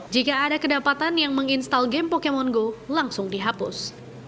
jika ada kedapatan yang menginstal game pokemon go langsung dihapus